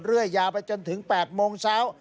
เรื่อยยาวไปจนถึง๘โมงเช้า